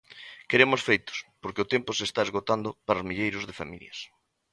Queremos feitos, porque o tempo se está esgotando para os milleiros de familias.